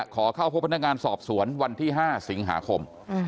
ขอเข้าพบพนักงานสอบสวนวันที่๕สิงหาคม